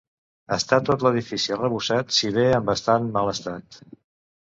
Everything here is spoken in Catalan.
Està tot l'edifici arrebossat si bé en bastant mal estat.